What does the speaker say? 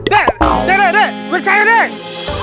dek dek dek dek luik cahaya deh